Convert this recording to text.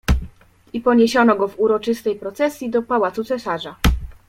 "I poniesiono go w uroczystej procesji do pałacu cesarza."